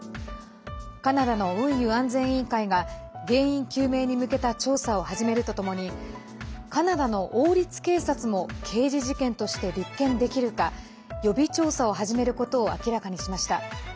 カナダの運輸安全委員会が原因究明に向けた調査を始めるとともにカナダの王立警察も刑事事件として立件できるか予備調査を始めることを明らかにしました。